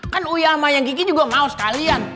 kan uya sama yang kiki juga mau sekalian